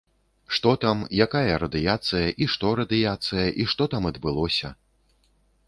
Што там, якая радыяцыя, і што радыяцыя, і што там адбылося.